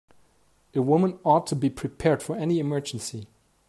A woman ought to be prepared for any emergency.